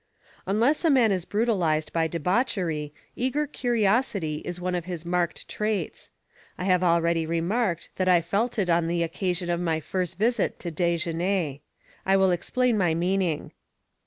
Unless a man is brutalized by debauchery, eager curiosity is one of his marked traits. I have already remarked that I felt it on the occasion of my first visit to Desgenais. I will explain my meaning.